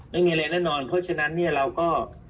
ไม่มีอะไรแน่นอนเพราะฉะนั้นเนี่ยเราก็